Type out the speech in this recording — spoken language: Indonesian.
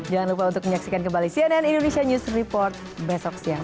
jangan lupa untuk menyaksikan kembali cnn indonesia news report besok siang